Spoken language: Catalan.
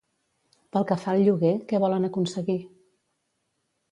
Pel que fa al lloguer, què volen aconseguir?